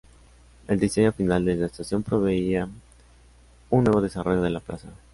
El diseño final de la estación preveía un nuevo desarrollo de la plaza.